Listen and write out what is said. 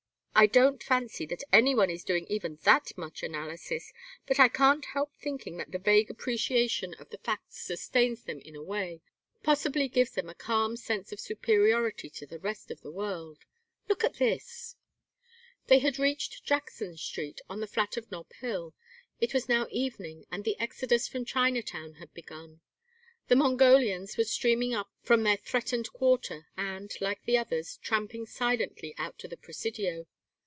I don't fancy any one is doing even that much analysis, but I can't help thinking that the vague appreciation of the fact sustains them in a way possibly gives them a calm sense of superiority to the rest of the world Look at this." They had reached Jackson Street on the flat of Nob Hill. It was now evening and the exodus from Chinatown had begun. The Mongolians were streaming up from their threatened quarter, and, like the others, tramping silently out to the Presidio.